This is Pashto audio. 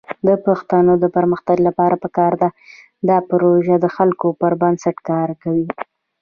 د پښتو د پرمختګ لپاره دا پروژه د خلکو پر بنسټ کار کوي.